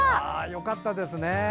よかったですね。